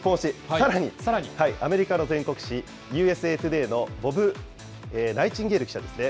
さらに、アメリカの全国紙、ＵＳＡトゥデーのボブ・ナイチンゲール記者ですね。